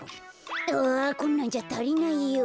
あこんなんじゃたりないよ。